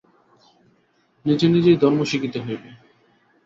নিজে নিজেই ধর্ম শিখিতে হইবে।